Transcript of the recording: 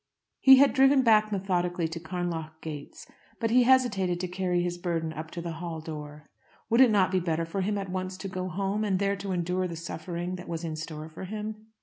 He had driven back methodically to Carnlough gates, but he hesitated to carry his burden up to the hall door. Would it not be better for him at once to go home, and there to endure the suffering that was in store for him?